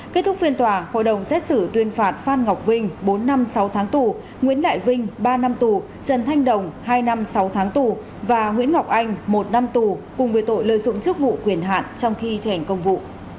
kết thúc phiên tòa hội đồng xét xử tuyên phạt phan ngọc vinh bốn năm sáu tháng tù nguyễn đại vinh ba năm tù trần thanh đồng hai năm sáu tháng tù và nguyễn ngọc anh một năm tù cùng với tội lợi dụng chức vụ quyền hạn trong khi thi hành công vụ